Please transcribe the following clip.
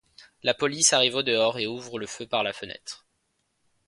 La police arrive au-dehors et ouvre le feu par la fenêtre.